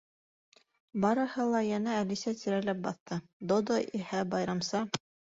Барыһы ла йәнә Әлисә тирәләп баҫты, Додо иһә байрамса